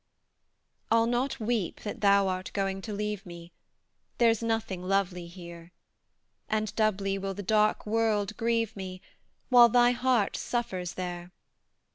I'll not weep that thou art going to leave me, There's nothing lovely here; And doubly will the dark world grieve me, While thy heart suffers there.